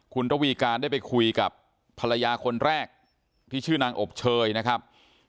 คุณระวีการได้ไปคุยกับภรรยาคนแรกที่ชื่อนางอบเชยนะครับ